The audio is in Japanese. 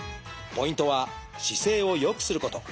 ポイントは姿勢を良くすること。